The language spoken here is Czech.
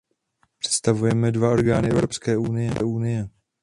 Představujeme dva orgány Evropské unie.